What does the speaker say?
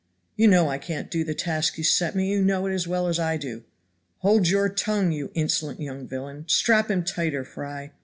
"You know I can't do the task you set me. You know it as well as I do." "Hold your tongue, you insolent young villain. Strap him tighter, Fry."